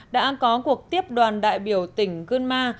đã có cuộc tiếp đoàn đại biểu tỉnh gương ma